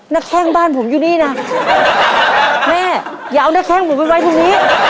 แม่อย่าเอานาแข้งผมไว้ตรงนี้